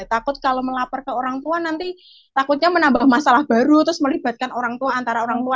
takut kalau melapor ke orang tua nanti takutnya menambah masalah baru terus melibatkan orang tua antara orang tua